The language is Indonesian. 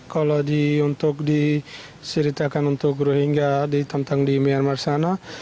kalau untuk diceritakan untuk guru hingga tentang di myanmar sana